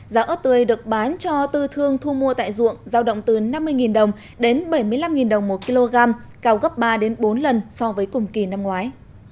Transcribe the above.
giá ớt tươi được bán cho tư thương thu mua tại ruộng giao động từ năm mươi đồng đến bảy mươi năm đồng một kg cao gấp ba bốn lần so với cùng kỳ năm ngoái